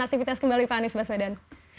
aktivitas kembali pak anies baswedan